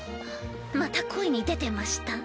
また声に出てました？